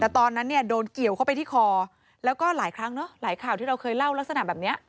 แต่ตอนนั้นเนี่ยโดนเกี่ยวเข้าไปที่คอแล้วก็หลายครั้งเนอะหลายข่าวที่เราเคยเล่าลักษณะแบบนี้